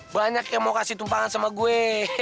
banyak yang mau kasih tumpangan sama gue